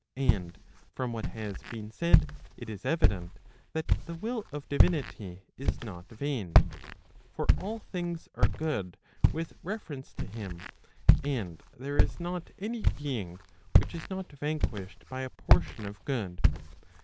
And from what has been said, it is evident, that the will of divinity is not vain. For all things are good with reference to him, and there is not any being which is not vanquished by a portion of good.